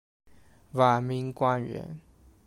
晚明官员。